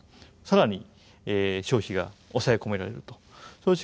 更に消費が抑え込められると。